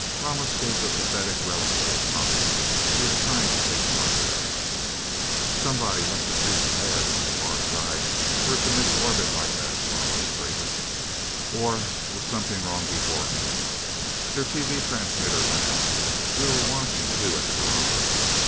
Ramos gave the pathetic relic to a cop who was trying to take charge. "Somebody must have goofed bad on the Far Side, for it to miss orbit like that," Ramos grated. "Or was something wrong, beforehand? Their TV transmitter went out we were watching, too, at the garage...